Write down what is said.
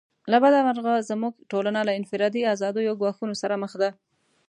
له بده مرغه زموږ ټولنه له انفرادي آزادیو ګواښونو سره مخ ده.